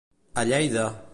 A llei de.